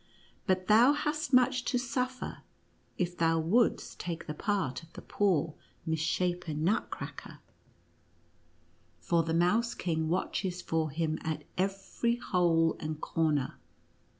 But thou hast much to suffer, if thou wouldst take the part of the poor misshapen Nutcracker, for 94 NUTCEACKEE AND M0USE EIN T G. the Mouse King watches for Mm at every hole and corner.